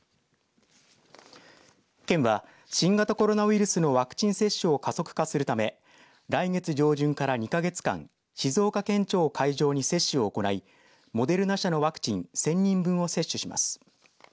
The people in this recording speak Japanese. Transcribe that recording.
県は新型コロナウイルスのワクチン接種を加速化するため来月上旬から２か月間静岡県庁を会場に接種を行いモデルナ社のワクチン１０００人分を接種します。